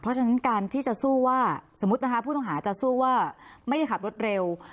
เพราะฉะนั้นการที่จะสู้ว่าสมมุตินะคะผู้ต้องหาจะสู้ว่าไม่ได้ขับรถเร็ว